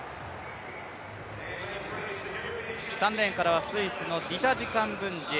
３レーンからはスイスのディタジ・カンブンジ。